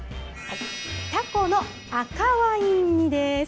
タコの赤ワイン煮です。